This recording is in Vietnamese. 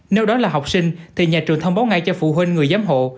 nếu đó là học sinh thì nhà trường thông báo ngay cho phụ huynh người giám hộ